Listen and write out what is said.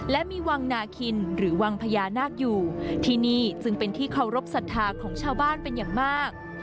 และมีวังนาคินหรือวังพญานาคอยู่ที่นี่จึงเป็นที่เคารพสัทธาของชาวบ้านเป็นอย่างมาก